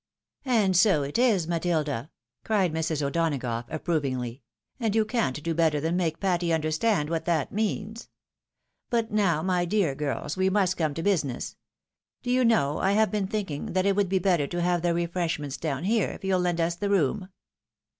" And so it is, Matilda !" cried Sirs. O'Donagough, approv ingly, " and you can't do better than make Patty understand what that means. But now, my dear girls, we must come to business. Do you know I have been thinking that it would be better to have the refreshments down here, if you'll lend us the room